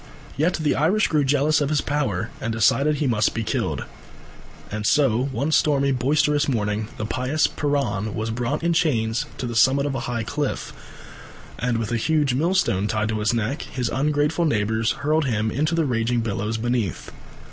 Yet the Irish grew jealous of his power and decided he must be killed. And so one stormy, boisterous morning the pious Piran was brought in chains to the summit of a high cliff, and with a huge millstone tied to his neck his ungrateful neighbours hurled him into the raging billows beneath.